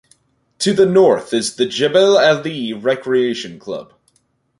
To the north is the Jebel Ali Recreation Club.